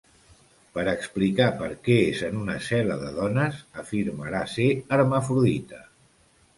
Per explicar per què és en una cel·la de dones, afirmarà ser hermafrodita.